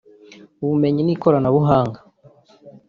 Ubumenyi n’Ikoranabuhanga